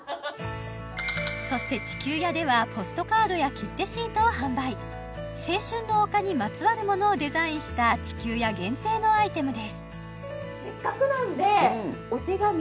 そして地球屋ではポストカードや切手シートを販売青春の丘にまつわるものをデザインした地球屋限定のアイテムです